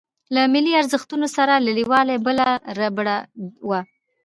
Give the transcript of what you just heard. له ملي ارزښتونو سره لريوالۍ بله ربړه وه.